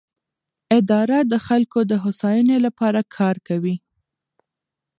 اداره د خلکو د هوساینې لپاره کار کوي.